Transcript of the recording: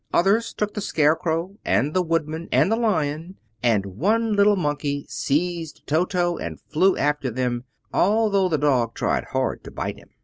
Others took the Scarecrow and the Woodman and the Lion, and one little Monkey seized Toto and flew after them, although the dog tried hard to bite him.